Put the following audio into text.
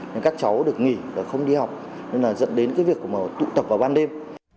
nên các cháu được nghỉ và không đi học nên là dẫn đến cái việc của màu tụ tập vào ban đêm